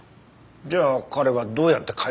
じゃあ彼はどうやって階段を落ちたの？